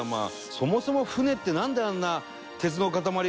そもそも船ってなんであんな鉄の塊がね